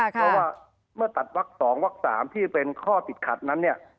เพราะว่าเมื่อตัดวัก๒วัก๓ที่เป็นข้อติดขัดนั้นเนี่ย